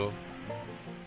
pak presiden joko widodo